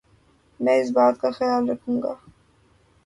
میں اس بات کا خیال رکھوں گا ـ